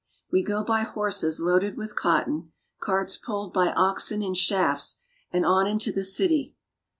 We go by horses loaded with cot ton, carts pulled by oxen in shafts, and on into the city.